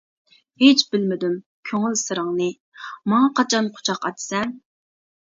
ھېچ بىلمىدىم كۆڭۈل سىرىڭنى، ماڭا قاچان قۇچاق ئاچىسەن.